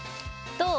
どう？